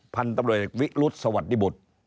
พันธุ์ตำรวจเอกวิรุธสวัสดีบุตร